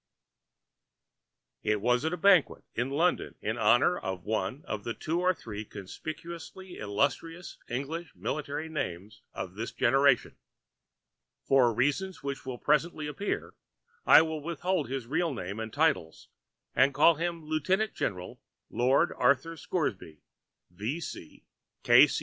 It was at a banquet in London in honour of one of the two or three conspicuously illustrious English military names of this generation. For reasons which will presently appear, I will withhold his real name and titles, and call him Lieutenant General Lord Arthur Scoresby, V.